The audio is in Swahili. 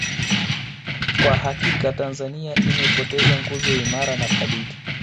Kwa hakika Tanzania imepoteza nguzo imara na thabiti